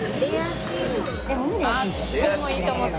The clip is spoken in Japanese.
あっそれもいいと思った。